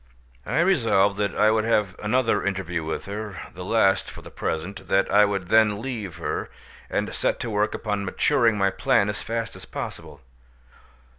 I resolved that I would have another interview with her—the last for the present—that I would then leave her, and set to work upon maturing my plan as fast as possible.